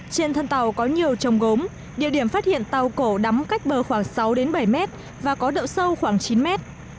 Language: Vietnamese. trên thân tàu có nhiều trồng gốm địa điểm phát hiện tàu cổ đắm cách bờ khoảng sáu bảy mét và có độ sâu khoảng chín mét